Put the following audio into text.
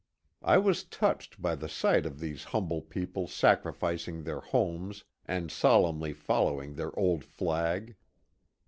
I was touched by the sight of these humble people sacrificing their homes and solemnly following their old flag."